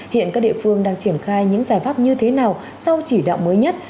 hiện các địa phương đang triển khai những giải pháp như thế nào sau chỉ đạo mới nhất